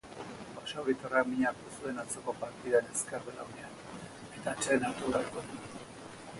Basauritarrak min hartu zuen atzoko partidan ezker belaunean eta atseden hartu beharko du.